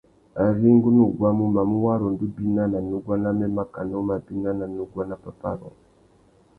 Ari ngu nú guamú, mamú wara undú bina nà nuguá namê makana u má bina ná nuguá nà pápá rôō .